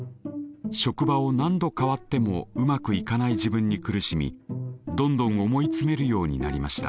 職場を何度変わってもうまくいかない自分に苦しみどんどん思い詰めるようになりました。